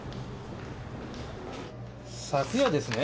昨夜ですね？